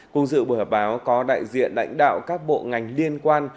cùng dự buổi họp báo có đại diện đảnh đạo các bộ ngành liên quan